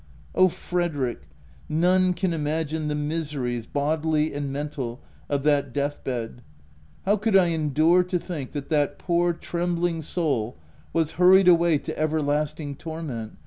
Oh Frederick ! none can imagine the OF WILDFELL HALL. 251 miseries, bodily and mental, of that death bed ! How could I endure to think that that poor trembling soul was hurried away to everlasting torment